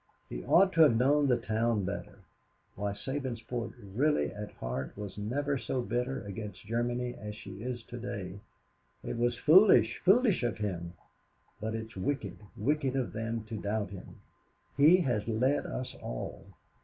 He ought to have known the town better. Why, Sabinsport really at heart was never so bitter against Germany as she is to day. It was foolish, foolish of him; but it's wicked, wicked of them to doubt him. He has led us all.